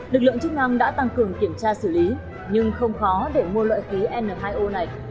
lực lượng chức năng đã tăng cường kiểm tra xử lý nhưng không khó để mua loại khí n hai o này